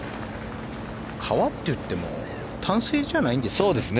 川っていっても淡水じゃないんですよね。